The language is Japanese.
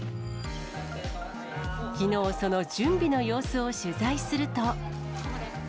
きのう、その準備の様子を取材すると。